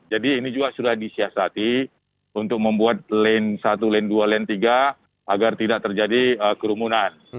jadi ini juga sudah disiasati untuk membuat lane satu lane dua lane tiga agar tidak terjadi kerumunan